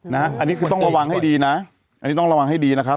อันนี้คือต้องระวังให้ดีนะอันนี้ต้องระวังให้ดีนะครับ